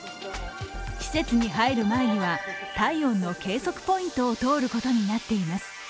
施設に入る前には体温の計測ポイントを通ることになっています。